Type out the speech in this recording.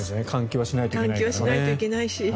換気はしないといけないし。